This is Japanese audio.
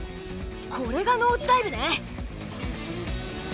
これがノーズダイブね。